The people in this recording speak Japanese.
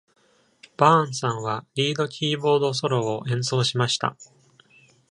バーンさんはリード・キーボード・ソロを演奏しました。